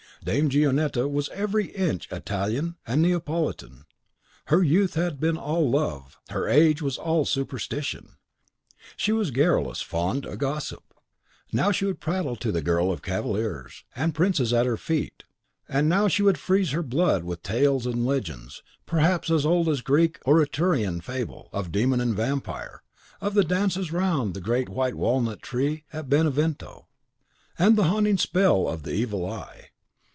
Dame Gionetta was every inch Italian and Neapolitan. Her youth had been all love, and her age was all superstition. She was garrulous, fond, a gossip. Now she would prattle to the girl of cavaliers and princes at her feet, and now she would freeze her blood with tales and legends, perhaps as old as Greek or Etrurian fable, of demon and vampire, of the dances round the great walnut tree at Benevento, and the haunting spell of the Evil Eye.